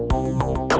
sen tuh kan